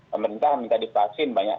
pemerintah minta divaksin banyak